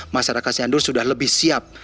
masyarakat sindur sudah lebih siap